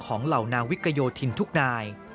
เหล่านางวิกโยธินทุกนาย